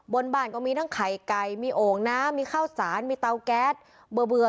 บนบ้านก็มีทั้งไข่ไก่มีโอ่งน้ำมีข้าวสารมีเตาแก๊สเบื่อ